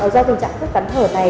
do tình trạng thức cắn hở này